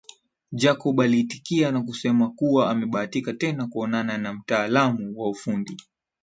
Jacob aliitikia na kusema kuwa amebahatika tena kuonana na mtaalamu wa ufundi